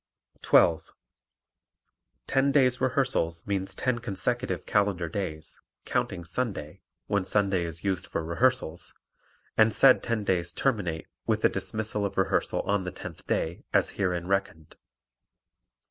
12. Ten days' rehearsals means ten consecutive calendar days, counting Sunday (when Sunday is used for rehearsals) and said ten days terminate with the dismissal of rehearsal on the tenth day, as herein reckoned.